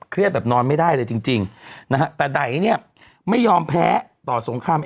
เครียดแบบนอนไม่ได้เลยจริงตะได่เนี่ยไม่ยอมแพ้ต่อสงคราม